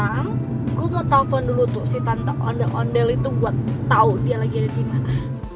sekarang gue mau telfon dulu tuh si tante ondel ondel itu buat tau dia lagi ada dimana